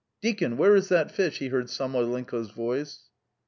.." "Deacon, where is that fish?" he heard Samoylenko's voice.